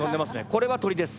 これは鳥です。